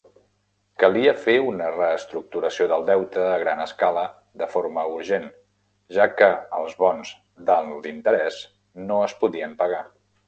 Calia fer una reestructuració del deute a gran escala de forma urgent, ja què els bons d"alt interès no es podien pagar.